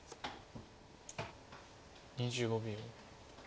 ２５秒。